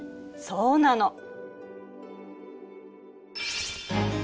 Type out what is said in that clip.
そうなの。